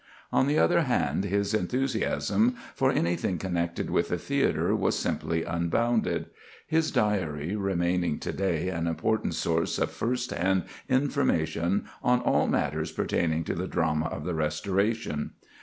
On the other hand, his enthusiasm for everything connected with the theatre was simply unbounded; his Diary remaining to day an important source of first hand information on all matters pertaining to the drama of the Restoration.